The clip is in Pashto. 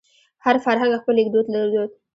هر فرهنګ خپل لیکدود درلود.